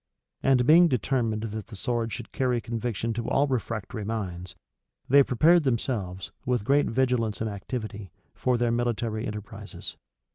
And being determined that the sword should carry conviction to all refractory minds, they prepared themselves, with great vigilance and activity, for their military enterprises.